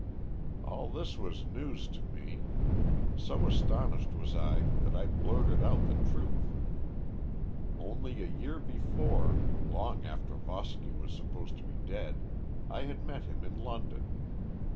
"All this was news to me. So astonished was I that I blurted out the truth. Only a year before, long after Voski was supposed to be dead, I had met him in London.